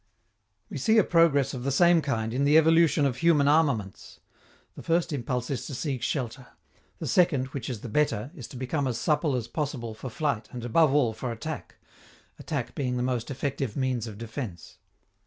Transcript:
We see a progress of the same kind in the evolution of human armaments. The first impulse is to seek shelter; the second, which is the better, is to become as supple as possible for flight and above all for attack attack being the most effective means of defense.